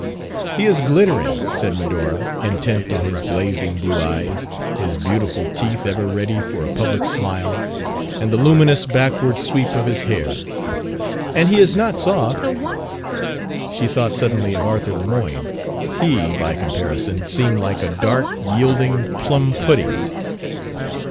"He is glittering." said Medora, intent on his blazing blue eyes, his beautiful teeth ever ready for a public smile, and the luminous backward sweep of his hair; "and he is not soft." She thought suddenly of Arthur Lemoyne; he, by comparison, seemed like a dark, yielding plum pudding.